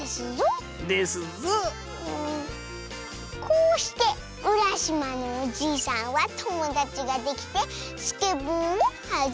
こうしてうらしまのおじいさんはともだちができてスケボーをはじめたとさ。